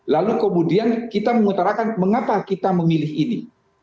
lalu kemudian kita mengutarakan mengapa kita memilih ini